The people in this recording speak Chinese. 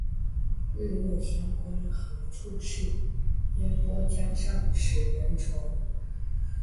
日暮乡关何处是？烟波江上使人愁。